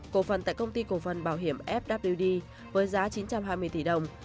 cổ phần tại công ty cổ phần bảo hiểm fwd với giá chín trăm hai mươi tỷ đồng